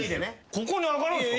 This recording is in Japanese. ここに上がるんすか？